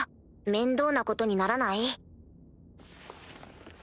面倒なことにならない？